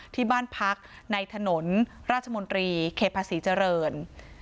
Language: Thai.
ที่บ้านพักในถนนราชมนตรีเขตภาษีเจริญ